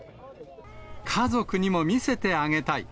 家族にも見せてあげたい。